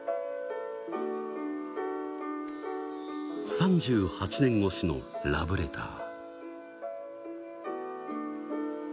３８年越しのラブレター。